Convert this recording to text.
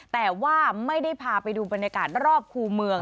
แต่ว่าไม่ได้พาไปดูบรรยากาศรอบคู่เมือง